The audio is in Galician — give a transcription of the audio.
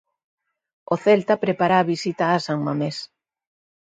O Celta prepara a visita a San Mamés.